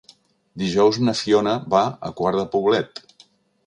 Dijous na Fiona va a Quart de Poblet.